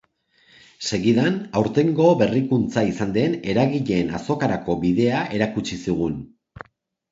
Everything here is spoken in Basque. Segidan, aurtengo berrikuntza izan den eragileen azokarako bidea erakutsi zigun.